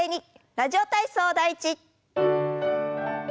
「ラジオ体操第１」。